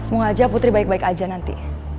semoga aja putri baik baik aja nanti